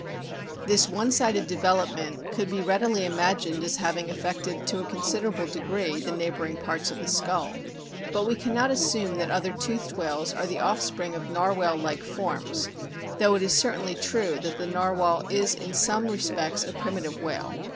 This one sided develop ment could be readily imagined as having affected to a considerable degree the neighbouring parts of the skull. But we cannot assume that other toothed whales are the offspring of narwhal like forms, though it is certainly true that the narwhal is in some respects a primitive whale.